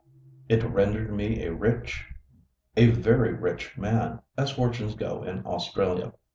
It rendered me a rich, a very rich man, as fortunes go in Australia.